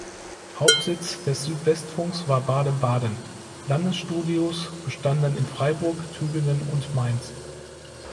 Hauptsitz des Südwestfunks war Baden-Baden, Landesstudios bestanden in Freiburg, Tübingen und Mainz.